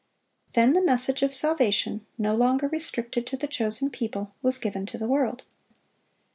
Then the message of salvation, no longer restricted to the chosen people, was given to the world.